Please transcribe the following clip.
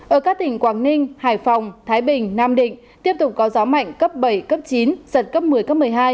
ở các tỉnh quảng ninh hải phòng thái bình nam định tiếp tục có gió mạnh cấp bảy cấp chín giật cấp một mươi cấp một mươi hai